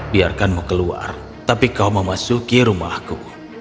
biarkanmu keluar tapi kau mau masuk ke rumahku